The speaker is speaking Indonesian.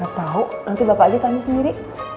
gak tau nanti bapak aja tanya sendiri